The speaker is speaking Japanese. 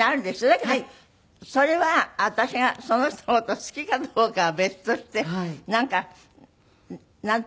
だけどそれは私がその人の事好きかどうかは別としてなんかなんていうのかしら。